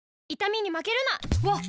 わっ！